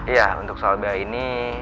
ya untuk soal ba ini